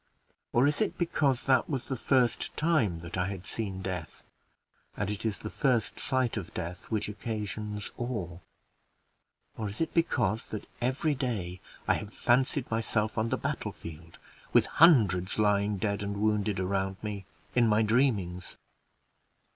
Or is it because that was the first time that I had seen death, and it is the first sight of death which occasions awe? or is it because that every day I have fancied myself on the battle field, with hundreds lying dead and wounded around me, in my dreamings?